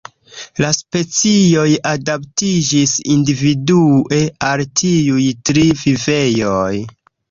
La specioj adaptiĝis individue al tiuj tri vivejoj.